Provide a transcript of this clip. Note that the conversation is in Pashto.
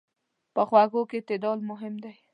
په خوږو کې اعتدال مهم دی.